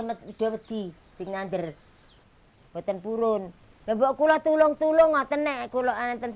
sehingga pengganti mereka yang mengha kids kakek di pittsburgh mengahadiki racial difference